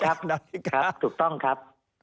ครับถูกต้องครับ